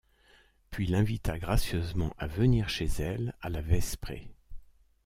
Puis l’invita gracieusement à venir chez elle à la vesprée.